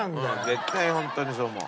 絶対ホントにそう思う。